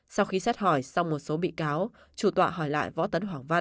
sau khi xét hỏi sau một số bị cáo chủ tọa hỏi lại võ tấn hoàng văn